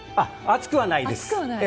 熱くはないです。